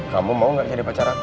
kamu mau gak jadi pacar aku